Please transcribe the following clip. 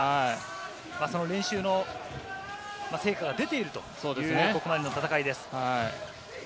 練習の成果が出ているという、ここまでの戦いです。